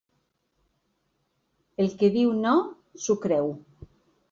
El que diu no s’ho creu.